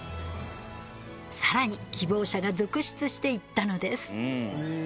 さらに希望者が続出していったのです。